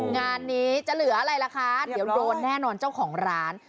งานนี้จะเหลืออะไรล่ะคะเดี๋ยวโดนแน่นอนเจ้าของร้าน